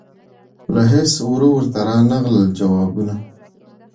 له هیڅ وره ورته رانغلل جوابونه